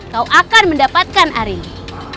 kau akan mendapatkan arimbi